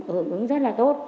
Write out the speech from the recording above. hưởng ứng rất là tốt